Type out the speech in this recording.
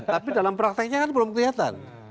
tapi dalam prakteknya kan belum kelihatan